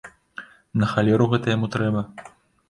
На халеру гэта яму трэба?